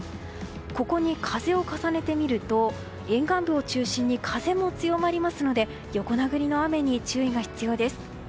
ここに風を重ねてみると沿岸部を中心に風も強まりますので横殴りの雨に注意が必要です。